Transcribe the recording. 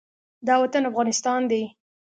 دا وطن افغانستان دى.